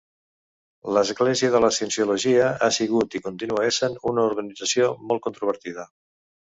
L'Església de la Cienciologia ha sigut i continua essent una organització molt controvertida.